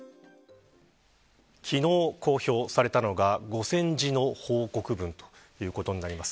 昨日、公表されたのが５０００字の報告文ということになっています。